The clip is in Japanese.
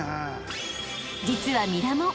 ［実は『ミラモン』